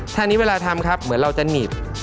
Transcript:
ทางนี้เวลาทำครับเหมือนเราจะหนีบ